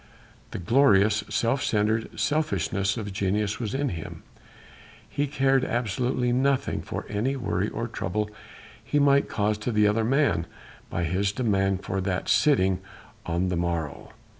The glorious, self centred selfishness of genius was in him. He cared absolutely nothing for any worry or trouble he might cause to the other man by his demand for that sitting on the morrow.